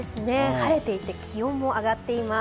晴れていて気温も上がっています。